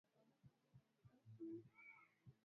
hutumia kigezo ha msamiati tu bila kuzingatiavipengele